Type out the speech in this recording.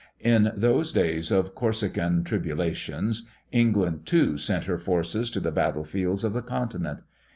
In those days of Corsican tribulations, England too sent her forces to the battle fields of the continent.